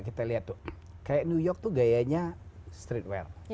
kita lihat tuh kayak new york tuh gayanya streetwear